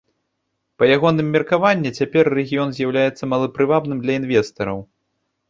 Па ягоным меркаванні, цяпер рэгіён з'яўляецца малапрывабным для інвестараў.